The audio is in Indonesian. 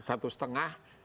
akhirnya ke satu lima